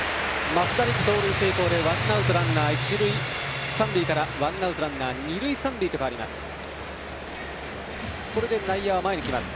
増田陸、盗塁成功でワンアウトランナー一塁三塁からワンアウトランナー二塁三塁と変わります。